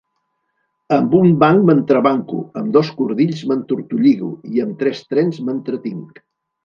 Amb un banc m'entrebanco, amb dos cordills m'entortolligo, i amb tres trens m'entretinc.